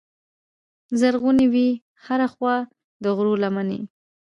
زرغونې وې هره خوا د غرو لمنې